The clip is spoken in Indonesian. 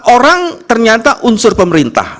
orang ternyata unsur pemerintah